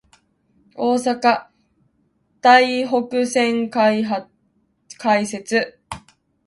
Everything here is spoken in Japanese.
大阪・台北線開設